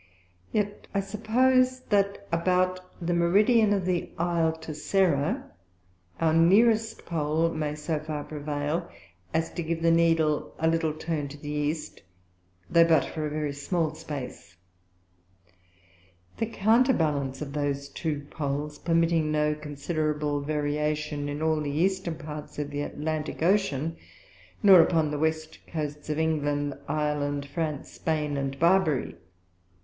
Yet I suppose that about the Meridian of the Isle Tercera, our nearest Pole may so far prevail as to give the Needle a little turn to the East, though but for a very small space: The Counterballance of those two Poles permitting no considerable Variation in all the Eastern Parts of the Atlantick Ocean; nor upon the West Coasts of England and Ireland, France, Spain and Barbary.